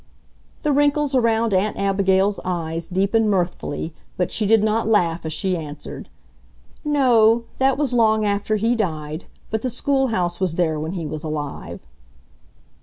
The wrinkles around Aunt Abigail's eyes deepened mirthfully, but she did not laugh as she answered, "No, that was long after he died, but the schoolhouse was there when he was alive."